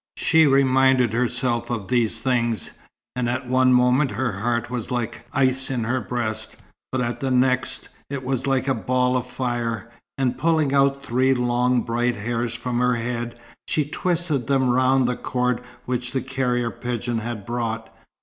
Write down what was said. She reminded herself of these things, and at one moment her heart was like ice in her breast; but at the next, it was like a ball of fire; and pulling out three long bright hairs from her head, she twisted them round the cord which the carrier pigeon had brought.